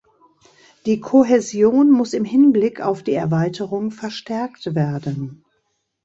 Die Kohäsion muss im Hinblick auf die Erweiterung verstärkt werden.